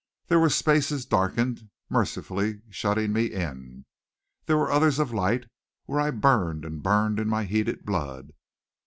There were spaces darkened, mercifully shutting me in; there were others of light, where I burned and burned in my heated blood.